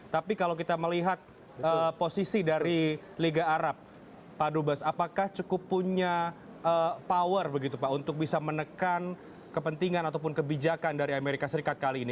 tapi kalau kita melihat posisi dari liga arab pak dubes apakah cukup punya power begitu pak untuk bisa menekan kepentingan ataupun kebijakan dari amerika serikat kali ini